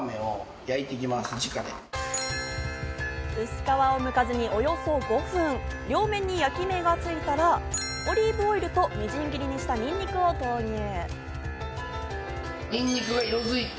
薄皮をむかずにおよそ５分、両面に焼き目がついたら、オリーブオイルとみじん切りにしたにんにくを投入。